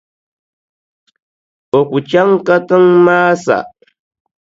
O ku chaŋ katiŋa maa sa.